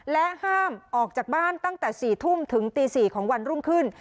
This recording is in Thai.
และห้ามออกจากบ้านตั้งแต่๔ทุ่มถึงตี๔ของวันรุ่งขึ้น